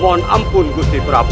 mohon ampun gusti prabu